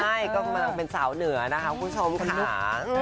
ใช่ก็กำลังเป็นสาวเหนือนะคะคุณผู้ชมค่ะ